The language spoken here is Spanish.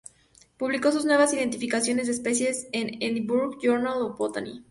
Publicó sus nuevas identificaciones de especies en Edinburgh Journal of Botany.